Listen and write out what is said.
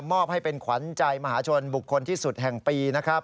มอบให้เป็นขวัญใจมหาชนบุคคลที่สุดแห่งปีนะครับ